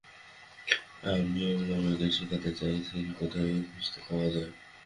আমি আমার মেয়েকে শেখাতে চাই সিল কোথায় খুঁজে পাওয়া যায়।